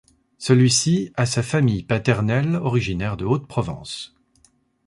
Celui-ci a sa famille paternelle originaire de haute Provence.